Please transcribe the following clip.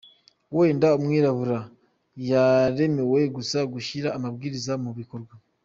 Wenda umwirabura yaremewe gusa gushyira amabwiriza mu bikorwa".